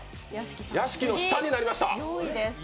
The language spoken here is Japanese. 屋敷の下になりました。